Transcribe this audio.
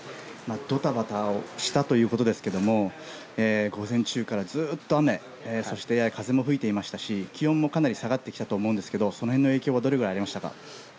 ドタバタをしたということですけど午前中からずっと雨そして風も吹いていましたし気温もかなり下がってきたと思うんですけどそこら辺の影響はどれくらいありましたか？